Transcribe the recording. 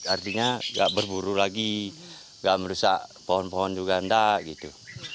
artinya nggak berburu lagi gak merusak pohon pohon juga enggak gitu